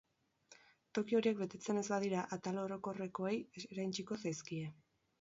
Toki horiek betetzen ez badira, atal orokorrekoei erantsiko zaizkie.